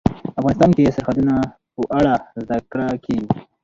افغانستان کې د سرحدونه په اړه زده کړه کېږي.